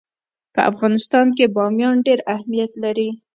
په افغانستان کې بامیان ډېر اهمیت لري.